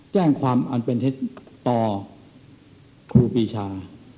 แจ้งความอันเป็นเท็จต่อครูปีชา